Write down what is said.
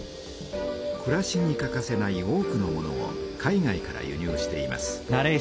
くらしに欠かせない多くのものを海外から輸入しています。